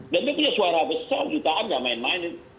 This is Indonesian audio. dia punya suara besar jutaan gak main main